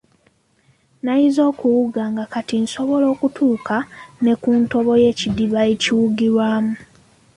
Nayize okuwuga nga kati nsobola okutuuka ne ku ntobo y'ekidiba ekiwugirwamu.